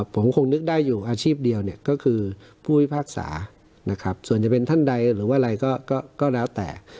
ผมคงนึกได้อยู่อาชีพเดียวเนี่ยก็คือผู้พิพากษานะครับส่วนจะเป็นท่านใดหรือว่าอะไรก็แล้วแต่